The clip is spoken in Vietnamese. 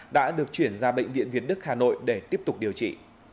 đã được chuyển ra bệnh viện việt đức hà nội để tiếp tục điều trị